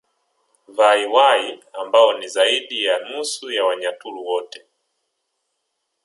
Vahi Wahi ambao ni zaidi ya nusu ya Wanyaturu wote